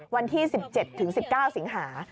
วันที่๑๗ถึง๑๙สิงหา